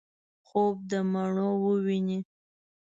خوب دمڼو وویني